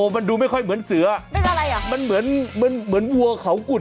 นางแมวยั่วฉวาด